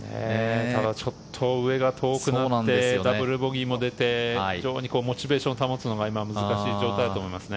ただちょっと上が遠くなってダブルボギーも出てモチベーションを保つのが難しい状態だと思いますね。